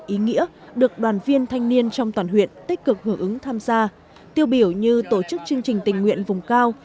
ý nghĩa được đoàn viên thanh niên trong toàn huyện tích cực hưởng ứng tham gia tiêu biểu như tổ chức chương trình tình nguyện vùng cao